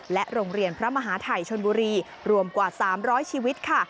โรงเรียนพระมหาทัยชนบุรีรวมกว่า๓๐๐ชีวิตค่ะ